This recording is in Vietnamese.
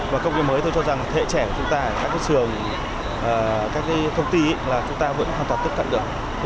và công nghệ mới tôi cho rằng thế hệ trẻ của chúng ta các sườn các thông tin là chúng ta vẫn hoàn toàn tiếp cận được